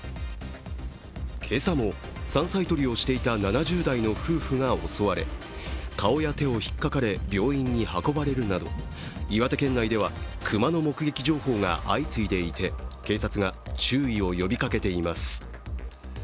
今朝も山菜採りをしていた７０代の夫婦が襲われ、顔や手をひっかかれ、病院に運ばれるなど岩手県内では熊の目撃情報が相次いでいて警察が注意を呼びかけています。